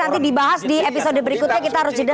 nanti dibahas di episode berikutnya kita harus jeda